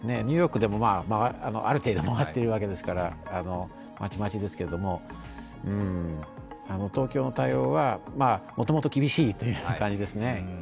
ニューヨークでもある程度回っているわけですからまちまちですけれども、東京の対応は、もともと厳しいという感じですね。